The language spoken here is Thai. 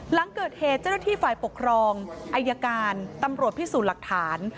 หลังเกิดเหตุเจ้าหน้าที่ฝ่ายปกครองอายการตำรวจพิสูจน์หลักฐาน